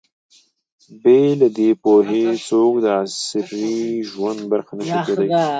بې له دې پوهې، څوک د عصري ژوند برخه نه شي کېدای.